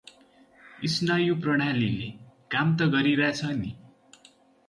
स्नायुप्रणालीले काम त गरिरा छ नि?